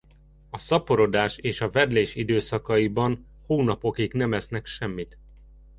A szaporodás és a vedlés időszakaiban hónapokig nem esznek semmit.